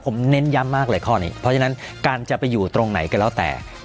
ผมเน้นย้ำมากเลยข้อนี้เพราะฉะนั้นการจะไปอยู่ตรงไหนก็แล้วแต่